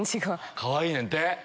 かわいいねんて。